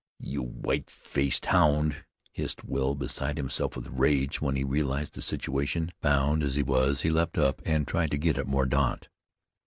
"You white faced hound!" hissed Will, beside himself with rage when he realized the situation. Bound though he was, he leaped up and tried to get at Mordaunt.